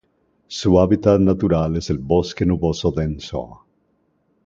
Su hábitat natural es el bosque nuboso denso.